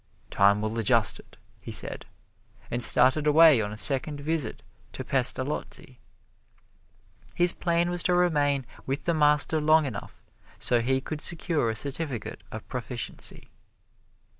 "Time will adjust it," he said, and started away on a second visit to Pestalozzi. His plan was to remain with the master long enough so he could secure a certificate of proficiency.